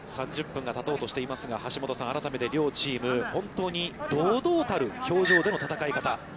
３０分がたとうとしていますが、橋下さん、改めて両チーム本当に堂々たる表情での戦い方。